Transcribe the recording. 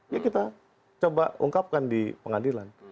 ya kita coba ungkapkan di pengadilan